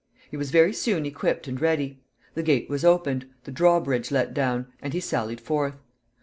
He was very soon equipped and ready. The gate was opened, the drawbridge let down, and he sallied forth.